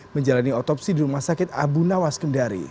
menjalani otopsi di rumah sakit abu nawas kendari